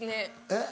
えっ？